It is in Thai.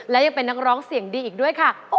และยังเป็นนักร้องเสียงดีอีกด้วยค่ะ